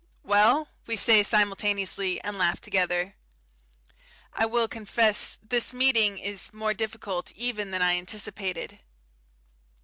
"Well?" we say, simultaneously, and laugh together. I will confess this meeting is more difficult even than I anticipated.